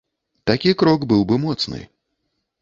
Такі крок быў бы моцны.